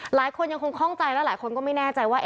หลายคนยังคงคล่องใจแล้วหลายคนก็ไม่แน่ใจว่า